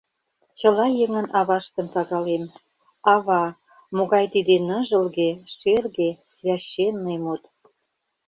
Чыла еҥын аваштым пагалем: «Ава» — могай тиде ныжылге, шерге, священный мут.